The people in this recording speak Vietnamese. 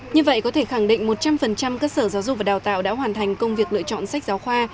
như vậy có thể khẳng định một trăm linh các sở giáo dục và đào tạo đã hoàn thành công việc lựa chọn sách giáo khoa